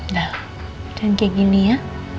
nah dan kayak gini ya